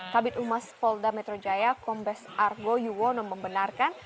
kabit umas polda metrojaya kombes argo yuwono membenarkan